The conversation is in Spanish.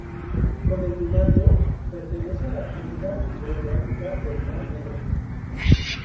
Con el Danubio, pertenece a la cuenca hidrográfica del mar Negro.